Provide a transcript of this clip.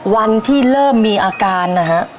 วันที่เริ่มมีอาการนะฮะ